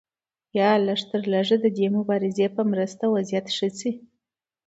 یا لږترلږه د دې مبارزې په مرسته وضعیت ښه شي.